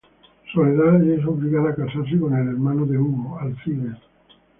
Soledad es obligada a casarse con el hermano de Hugo, Alcides.